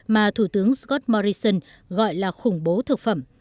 mà thủ tướng scott morrison gọi là khủng bố thực phẩm